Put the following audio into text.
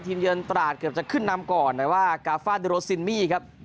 เยือนตราดเกือบจะขึ้นนำก่อนแต่ว่ากาฟ่าดูโรซินมี่ครับ